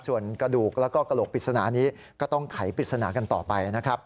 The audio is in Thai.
ส่วนกระดูกแล้วก็กระโหลกปริศนานี้ก็ต้องไขปริศนากันต่อไปนะครับ